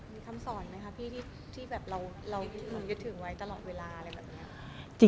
มีคำสอนไหมคะพี่ที่แบบเรายึดถือไว้ตลอดเวลาอะไรแบบนี้